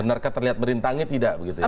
benarkah terlihat merintangi tidak begitu ya